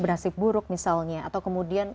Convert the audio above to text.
bernasib buruk misalnya atau kemudian